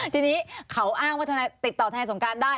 ทีนี้เขาอ้างว่าทนายติดต่อทนายสงการได้